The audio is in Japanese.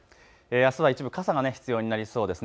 あすは一部、傘が必要になりそうですね。